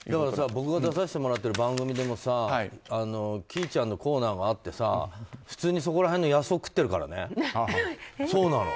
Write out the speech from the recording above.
僕が出させてもらってる番組でもＫｉｉちゃんのコーナーがあって普通に、そこら辺の野草を食ってるからね。